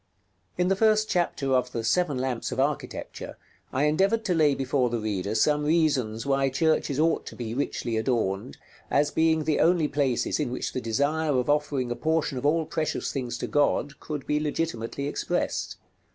§ LI. In the first chapter of the "Seven Lamps of Architecture" I endeavored to lay before the reader some reasons why churches ought to be richly adorned, as being the only places in which the desire of offering a portion of all precious things to God could be legitimately expressed.